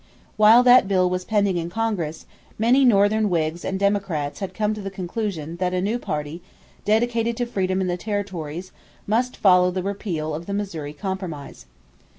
While that bill was pending in Congress, many Northern Whigs and Democrats had come to the conclusion that a new party dedicated to freedom in the territories must follow the repeal of the Missouri Compromise.